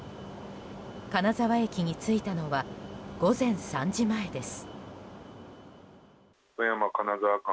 金沢駅に着いたのは午前３時前です。